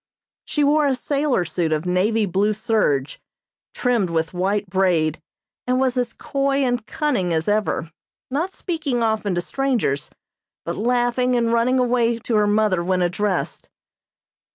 She wore a sailor suit of navy blue serge, trimmed with white braid, and was as coy and cunning as ever, not speaking often to strangers, but laughing and running away to her mother when addressed.